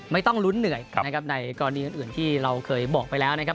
ไม่ต้องลุ้นเหนื่อยนะครับในกรณีอื่นที่เราเคยบอกไปแล้วนะครับ